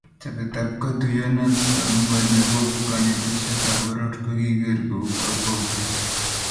Chobetab katuiyonotongwai nebo konetisietab poror kokiger kou kakwautiet